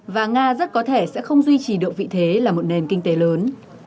và nga rất có thể sẽ không duy trì được vị thế là một nền kinh tế lớn